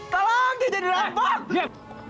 tolong ya jen dirampak